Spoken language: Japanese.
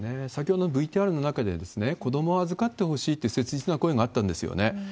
先ほどのＶＴＲの中で、子どもを預かってほしいって、切実な声があったんですよね。